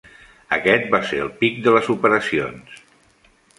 Aquest va ser el pic de les operacions.